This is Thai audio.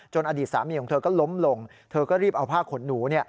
อดีตสามีของเธอก็ล้มลงเธอก็รีบเอาผ้าขนหนู